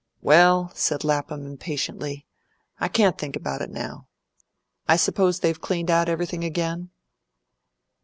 "Well!" said Lapham impatiently; "I can't think about it now. I suppose they've cleaned everything out again?"